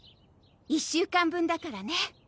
１週間分だからね。